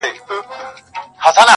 لکه اسمان چي له ملیاره سره لوبي کوي؛